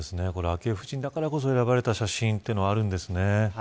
昭恵夫人だからこそ選ばれた写真があるんですね。